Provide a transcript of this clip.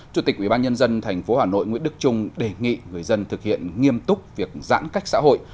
chủ tịch ubnd tp hà nội nguyễn đức trung đề nghị người dân thực hiện nghiêm túc việc giãn cách xã hội